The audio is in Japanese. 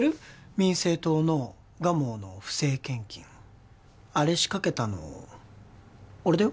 民政党の蒲生の不正献金あれ仕掛けたの俺だよ